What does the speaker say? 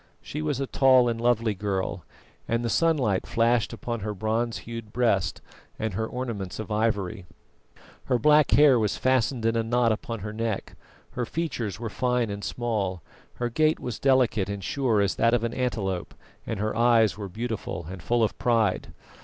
She was a tall and lovely girl, and the sunlight flashed upon her bronze hued breast and her ornaments of ivory. Her black hair was fastened in a knot upon her neck, her features were fine and small, her gait was delicate and sure as that of an antelope, and her eyes were beautiful and full of pride.